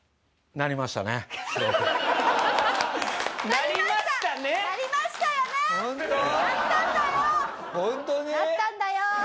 なったんだよ。